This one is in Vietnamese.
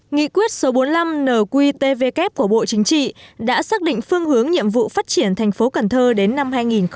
nghị quyết số bốn mươi năm nqtvk của bộ chính trị đã xác định phương hướng nhiệm vụ phát triển thành phố cần thơ đến năm hai nghìn ba mươi